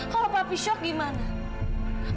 kalau papi shock gimana